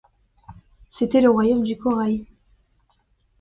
C’était le royaume du corail.